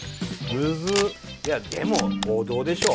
いやでも王道でしょ。